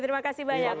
terima kasih banyak